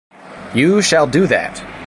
You shall do that.